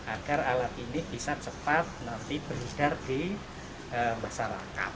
agar alat ini bisa cepat nanti beredar di masyarakat